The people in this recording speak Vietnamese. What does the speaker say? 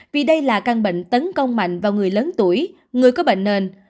vì đây là căn bệnh tấn công mạnh vào người lớn tuổi người có bệnh nền